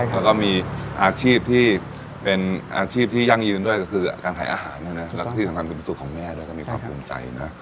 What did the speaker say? แล้วก็มีอาชีพที่เป็นอาชีพที่ยั่งยืนด้วยก็คือการขายอาหารด้วยนะแล้วที่สำคัญเป็นสุขของแม่ด้วยก็มีความภูมิใจนะ